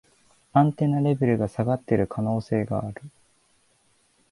アンテナレベルが下がってる可能性がある